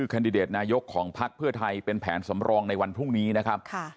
แคนดิเดตนายกของพักเพื่อไทยเป็นแผนสำรองในวันพรุ่งนี้นะครับ